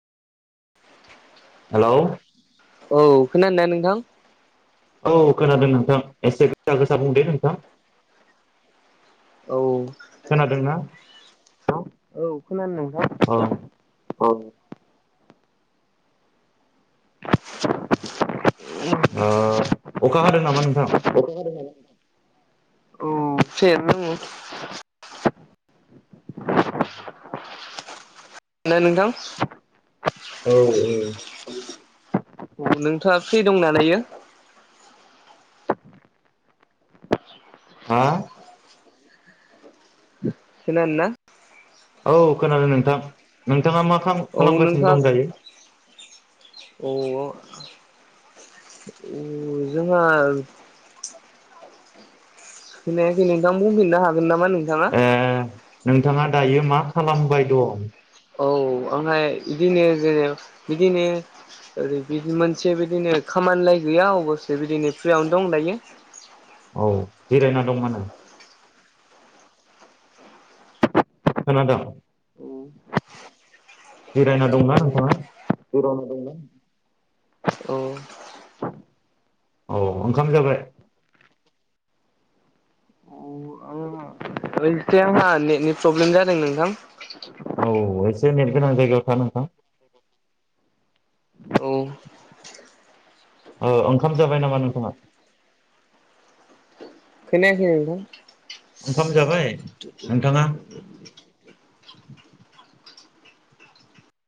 Hello. औ खोनादोंना नोंथां? औ खोनादों नोंथां एसे गोसा गोसा बुंदे नोंथां। औ खोनादोंना‌? औ खोनादोंना नोंथां औ। ओ अखा हादों नामा नोंथां? [unintelligible] स [unintelligible] खोनादों नोंथां? औ औ नोंथांङा फ्रिदंना दायो? हा नखोनादोंना? औ खोनादों नोंथां नोंथाङा मा खाम औ खालामगासिनो नोंथां। दं दायो अ जोंहा खख नोंथां बुंफिननो हागोन नामा नोंथाङा? ए नोंथाङा दायो मा खालामबाय दं? औ ओमफ्राय बिदिनो जेने बिदिनो। ओरै बि मोनसे बिदिनो गैया अबस्से फ्रियावनो दं दायो। औ जिरायना दंमोन। खोनादोंं? बेिरायना दंना नोंथाङा? जिरायना दंना। औ औ ओंखाम जाबाय? ओ इसे आंहा नेटनि प्रब्लेम जादों नोंथां। औ एसे नेट गोनां जायगायाव था नोंथां। औ ओंखाम जाबाय नामा नोंथाङा। खोनायाखै नोंथां। औखाम जाबाय? द नोंथाङा [inaudible]